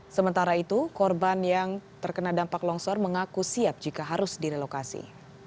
sementara itu korban yang terkena dampak longsor mengaku siap jika harus direlokasi